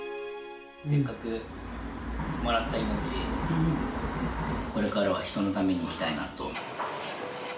せっかくもらった命、これからは人のために生きたいなと。